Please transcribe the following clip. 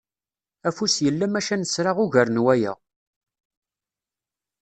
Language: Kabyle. Afus yella maca nesra ugar n waya.